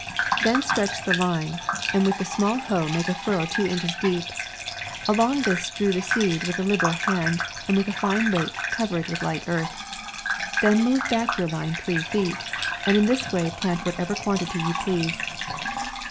Then stretch the line, and with the small hoe make a furrow two inches deep ; along this strew the seed with a liberal hand, and with a fine rake, cover it with light earth. Then move back your line three feet, and in this way plant whatever quantity you please.